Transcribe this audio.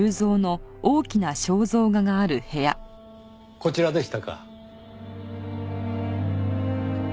こちらでしたか。